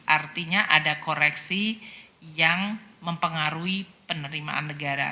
artinya ada koreksi yang mempengaruhi penerimaan negara